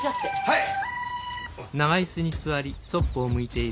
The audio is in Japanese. はい！